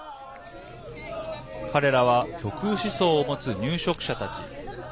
彼らは極右思想を持つ入植者たち。